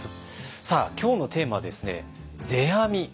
さあ今日のテーマはですね「世阿弥」。